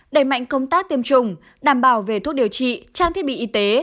đẩy mạnh công tác tiêm chủng đảm bảo về thuốc điều trị trang thiết bị y tế